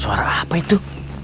suara apa itu